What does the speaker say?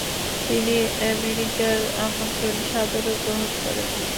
তিনি আমেরিকার আমন্ত্রণ সাদরে গ্রহণ করেন ।